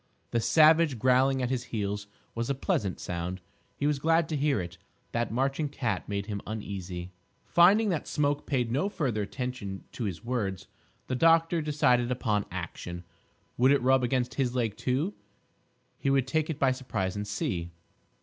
The savage growling at his heels was a pleasant sound. He was glad to hear it. That marching cat made him uneasy. Finding that Smoke paid no further attention to his words, the doctor decided upon action. Would it rub against his leg, too? He would take it by surprise and see.